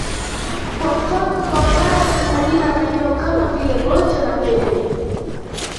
Kwa mfano kwa Wapare kuna majina ya maeneo kama vile Gonja na Ndeme